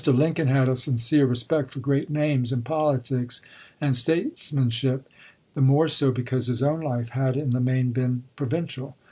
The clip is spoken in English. Lincoln had a sincere respect for great names in politics and statesmanship, the more so because his own life had in the main been provin cial.